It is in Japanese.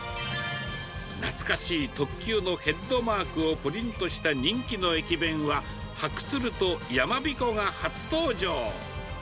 懐かしい特急のヘッドマークをプリントした人気の駅弁は、はくつるとやまびこが初登場。